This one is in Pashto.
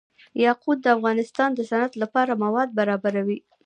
یاقوت د افغانستان د صنعت لپاره مواد برابروي.